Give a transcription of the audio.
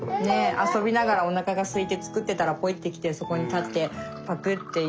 遊びながらおなかがすいて作ってたらポイッて来てそこに立ってパクッていう。